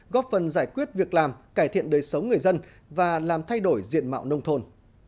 góp phần giải quyết việc làm cải thiện đời sống người dân và làm thay đổi diện mạo nông thôn